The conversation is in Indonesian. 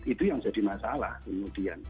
itu yang jadi masalah kemudian